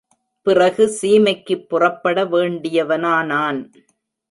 பிறகு, சீமைக்குப் புறப்பட வேண்டியவனானான்.